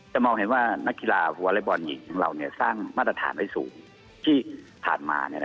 จะมองเห็นว่านักกีฬาวลัยบอลหญิงสร้างมาตรฐานให้สูงที่ผ่านมา